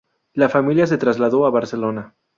La familia se trasladó a Barcelona.